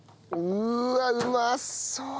うまそう！